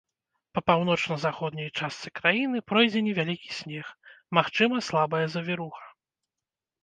Па паўночна-заходняй частцы краіны пройдзе невялікі снег, магчымая слабая завіруха.